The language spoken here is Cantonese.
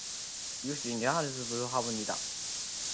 有人滿之患